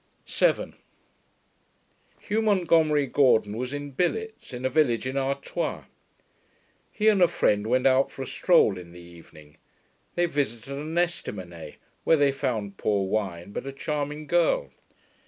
7 Hugh Montgomery Gordon was in billets, in a village in Artois. He and a friend went out for a stroll in the evening; they visited an estaminet, where they found poor wine but a charming girl.